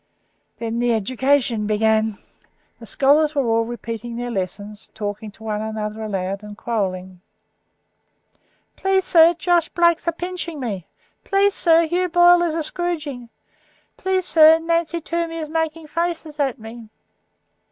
Then education began; the scholars were all repeating their lessons, talking to one another aloud and quarrelling. "Please, sir, Josh Blake's a pinching me." "Please, sir, Hugh Boyle is a scroodgin." "Please, sir, Nancy Toomey is making faces at me."